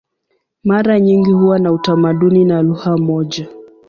Mara nyingi huwa na utamaduni na lugha moja.